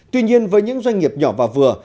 tuy nhiên với những doanh nghiệp nhỏ và vừa